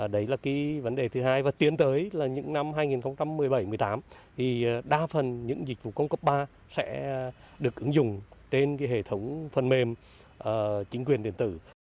đấy là vấn đề thứ hai và tiến tới những năm hai nghìn một mươi bảy hai nghìn một mươi tám thì đa phần những dịch vụ công cấp ba sẽ được ứng dụng trên hệ thống phần mềm chính quyền điện tử